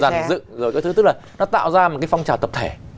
giàn dựng rồi cái thứ tức là nó tạo ra một cái phong trào tập thể